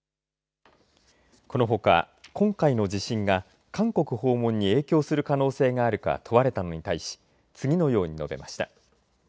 このほか今回の地震が韓国訪問に影響する可能性があるか問われたのに対し次のように述べました。